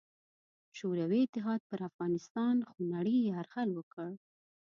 شوروي اتحاد پر افغانستان خونړې یرغل وکړ.